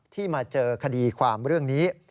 มาเจอคดีความเรื่องนี้